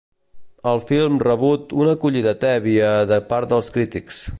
El film rebut una acollida tèbia de part dels crítics.